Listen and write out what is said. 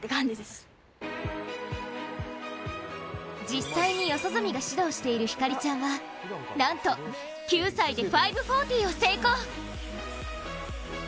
実際に四十住が指導している晃ちゃんはなんと９歳で５４０を成功。